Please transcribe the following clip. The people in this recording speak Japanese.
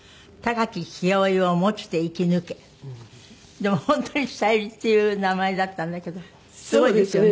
でも本当に小百合っていう名前だったんだけどすごいですよね。